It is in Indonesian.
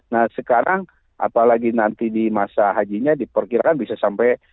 nah sekarang apalagi nanti di masa hajinya diperkirakan bisa sampai